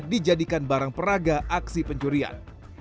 dijadikan barang peraga aksi pencurian